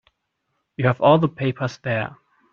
You have all the papers there.